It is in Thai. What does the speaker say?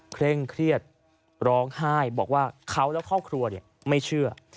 เคร่งเครียดร้องไห้บอกว่าเขาและครอบครัวไม่เชื่อ